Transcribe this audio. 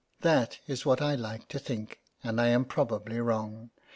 That is what I like to think, and I am probably wrong.